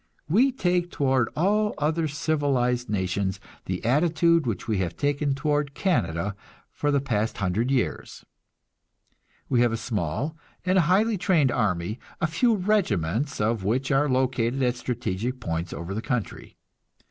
We take toward all other civilized nations the attitude which we have taken toward Canada for the past hundred years. We have a small and highly trained army, a few regiments of which are located at strategic points over the country.